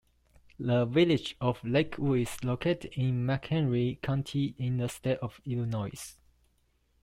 The Village of Lakewood is located in McHenry County in the state of Illinois.